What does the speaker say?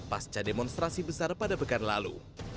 pasca demonstrasi besar pada pekan lalu